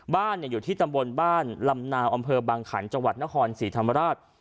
บ้านอยู่ที่ตำบลบ้านลำนาวอำเภอบางขันจังหวัดนครศรีธรรมราช